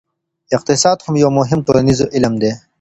اقتصاد هم یو مهم ټولنیز علم دی.